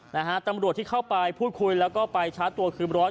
นะฮะตำรวจที่เข้าไปพูดคุยแล้วก็ไปชาร์จตัวคือร้อย